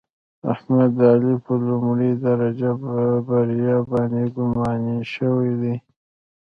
احمد د علي په لومړۍ درجه بریا باندې ګماني شوی دی.